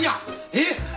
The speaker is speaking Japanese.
えっ？